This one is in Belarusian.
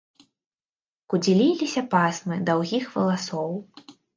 Кудзеліліся пасмы даўгіх валасоў.